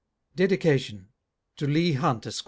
DEDICATION. TO LEIGH HUNT, ESQ.